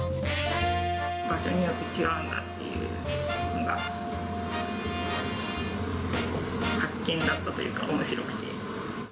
場所によって違うんだっていうのが、発見だったというか、おもしろくて。